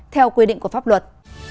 theo quy định của pháp luật